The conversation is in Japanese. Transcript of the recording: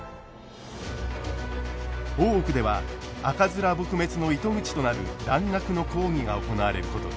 大奥では赤面撲滅の糸口となる蘭学の講義が行われることに。